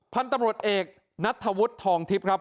พันธุ์ตำรวจเอกนัทธวุฒิทองทิพย์ครับ